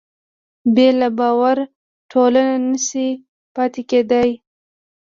بې له باور ټولنه نهشي پاتې کېدی.